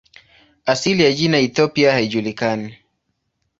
Asili ya jina "Ethiopia" haijulikani.